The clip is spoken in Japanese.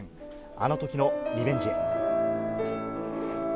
あのときのリベンジへ。